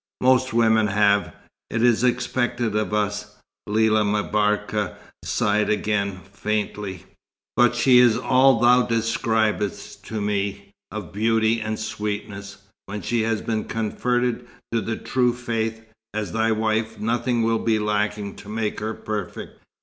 "Most women have. It is expected of us." Lella M'Barka sighed again, faintly. "But she is all that thou describedst to me, of beauty and sweetness. When she has been converted to the True Faith, as thy wife, nothing will be lacking to make her perfect."